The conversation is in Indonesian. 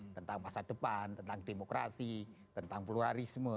tentang masa depan tentang demokrasi tentang pluralisme